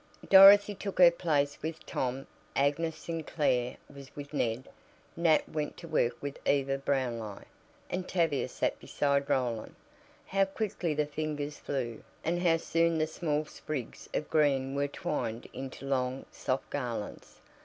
Dorothy took her place with Tom; Agnes Sinclair was with Ned; Nat went to work with Eva Brownlie, and Tavia sat beside Roland. How quickly the fingers flew! And how soon the small sprigs of green were twined into long, soft garlands!